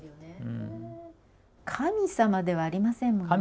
神様ではありませんもんね。